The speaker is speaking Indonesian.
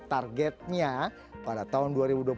targetnya pada tahun dua ribu dua puluh satu